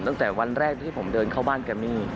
ตั้งแต่วันแรกที่ผมเดินเข้าบ้านแกมมี่